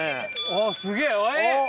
あっすげええっ？